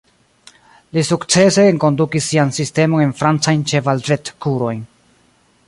Li sukcese enkondukis sian sistemon en francajn ĉeval-vetkurojn.